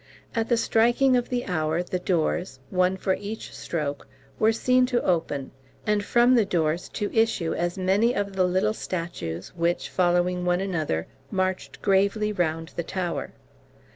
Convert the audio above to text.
At the striking of the hour the doors, one for each stroke, was seen to open, and from the doors to issue as many of the little statues, which, following one another, marched gravely round the tower.